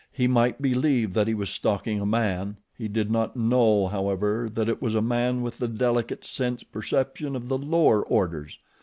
He might believe that he was stalking a man he did not know, however, that it was a man with the delicate sense perception of the lower orders.